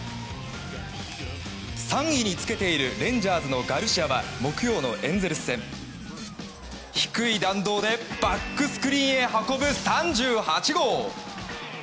３位につけているレンジャーズのガルシアは木曜のエンゼルス戦、低い弾道でバックスクリーンへ運ぶ３８号！